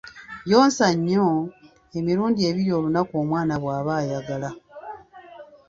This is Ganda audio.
Yonsa nnyo, emirundi ebiri olunaku omwana bw'aba ayagala.